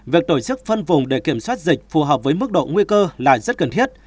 việc tổ chức phân vùng để kiểm soát dịch phù hợp với mức độ nguy cơ là rất cần thiết